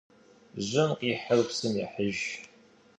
Жьым къихьыр псым ехьыж.